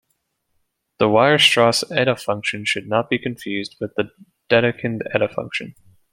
The Weierstrass eta-function should not be confused with the Dedekind eta-function.